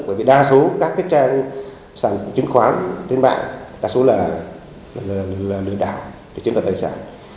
bởi vì đa số các trang chứng khoán trên mạng đa số là lừa đảo để chiếm đoạt tài sản